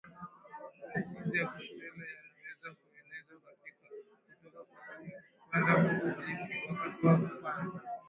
Maambukizi ya Brusela yanaweza kuenezwa kutoka kwa dume kwenda kwa jike wakati wa kupanda